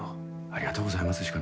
ありがとうございますしかない。